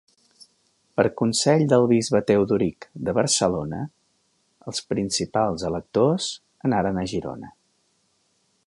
Per consell del bisbe Teodoric de Barcelona, els principals electors anaren a Girona.